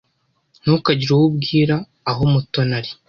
Ntukagire uwo ubwira aho Mutoni ari.